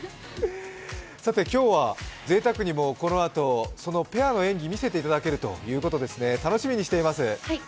今日はぜいたくにも、このあと、そのペアの演技を見せていただけるということで楽しみにしています。